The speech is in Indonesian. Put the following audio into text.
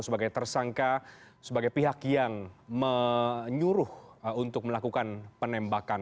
sebagai tersangka sebagai pihak yang menyuruh untuk melakukan penembakan